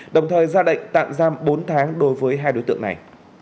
đồng thời ra lệnh tạm giam bốn tháng đối với hai đối tượng này